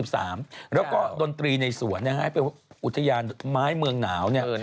แล้วก็ดนตรีในสวนให้เป็นอุทยานไม้เมืองหนาว